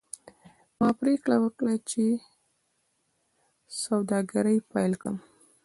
ما پریکړه وکړه چې سوداګري پیل کړم.